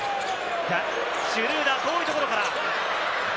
シュルーダー、遠いところから。